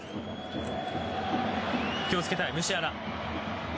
気を付けたいムシアラ。